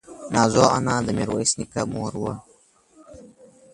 نازو انا د ميرويس نيکه مور وه.